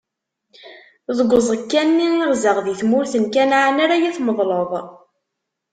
Deg uẓekka-nni i ɣzeɣ di tmurt n Kanɛan ara yi-tmeḍleḍ.